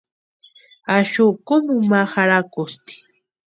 Axu kúmu ma jarhakusti.